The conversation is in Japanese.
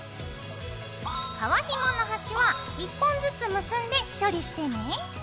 革ひもの端は１本ずつ結んで処理してね。